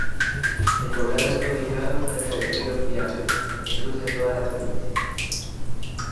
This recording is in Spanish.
El poblado está ubicado cerca del río Piave, que cruza toda la provincia.